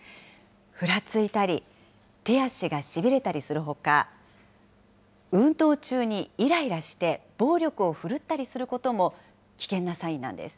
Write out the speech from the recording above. ふらついたり、手足がしびれたりするほか、運動中にいらいらして、暴力を振るったりすることも危険なサインなんです。